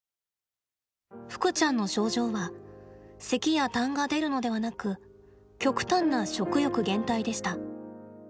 ふくちゃんの症状はせきや、たんが出るのではなく極端な食欲減退でした。